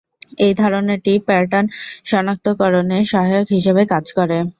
এই ধারণাটি প্যাটার্ন শনাক্তকরণে সহায়ক হিসেবে কাজ করে।